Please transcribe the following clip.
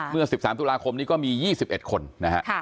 เมื่อ๑๓ตุลาคมนี้ก็มี๒๑คนนะฮะ